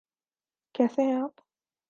کیسے ہیں آپ؟